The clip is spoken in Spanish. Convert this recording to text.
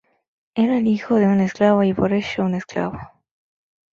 Era el hijo de un esclavo, y por ello un esclavo.